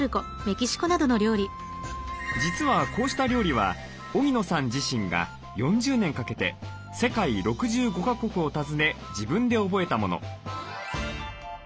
実はこうした料理は荻野さん自身が４０年かけて世界６５か国を訪ね自分で覚えたもの。